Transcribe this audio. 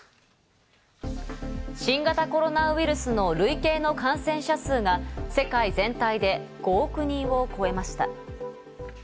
新型コロナウイルスの累計の感染者数が世界全体で５億人を超えました。